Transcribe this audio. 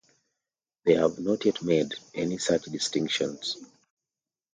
They have not yet made any such distinctions.